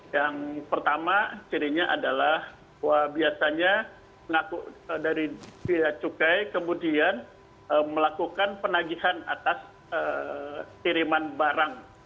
yang pertama cirinya adalah biasanya dari pihak cukai kemudian melakukan penagihan atas kiriman barang